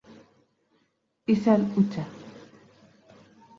Izan hutsa